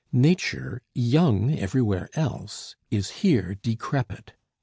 Nature, young everywhere else, is here decrepit.